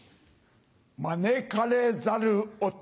招かれざる男。